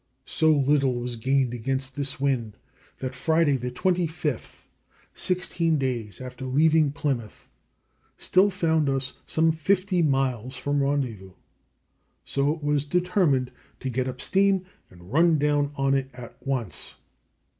So little was gained against this wind that Friday the 25th sixteen days after leaving Plymouth still found us some fifty miles from the rendezvous. So it was determined to get up steam and run down on it at once.